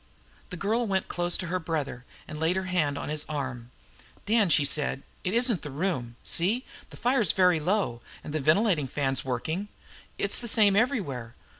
The girl went close to her brother, and laid her hand on his arm. "Dan," she said, "it isn't the room. See, the fire's very low, and the ventilating fan's working. It's the same everywhere.